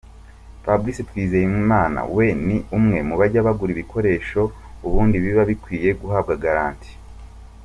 Fabrice Twizeyimana we ni umwe mubajya bagura ibikoresho ubundi biba bikwiye guhabwa garanti.